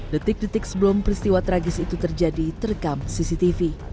detik detik sebelum peristiwa tragis itu terjadi terekam cctv